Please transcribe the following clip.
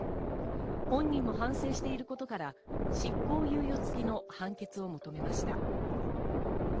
本人も反省していることから執行猶予付きの判決を求めました。